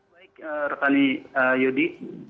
baik rekani yudi